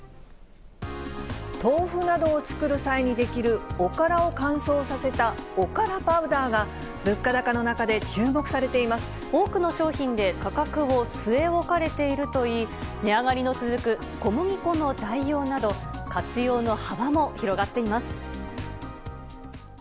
豆腐などを作る際に出来る、おからを乾燥させたおからパウダーが、多くの商品で価格を据え置かれているといい、値上がりの続く小麦粉の代用など、活用の幅も広がっています。